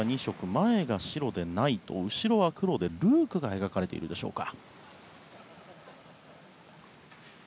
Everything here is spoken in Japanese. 前が白でナイト後ろは黒でルークが描かれているでしょうか。